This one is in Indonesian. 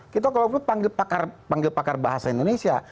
kita kalau perlu panggil pakar bahasa indonesia